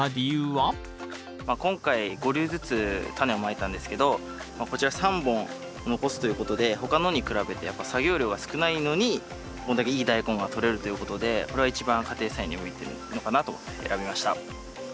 今回５粒ずつタネをまいたんですけどこちら３本残すということで他のに比べてやっぱ作業量が少ないのにこんだけいいダイコンがとれるということでこれが一番家庭菜園に向いてるのかなと思って選びました。